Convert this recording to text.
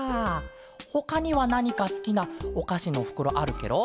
ほかにはなにかすきなおかしのふくろあるケロ？